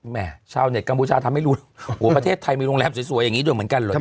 แม่ชาวเน็ตกัมพูชาทำให้รู้ประเทศไทยมีโรงแรมสวยอย่างนี้ด้วยเหมือนกันเหรอเนี่ย